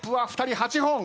８本。